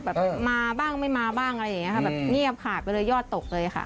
แบบมาบ้างไม่มาบ้างอะไรอย่างนี้ค่ะแบบเงียบขาดไปเลยยอดตกเลยค่ะ